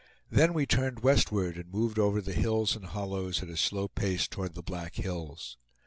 Then we turned westward, and moved over the hills and hollows at a slow pace toward the Black Hills.